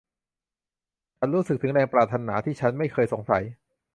ฉันรู้สึกถึงแรงปรารถนาที่ฉันไม่เคยสงสัย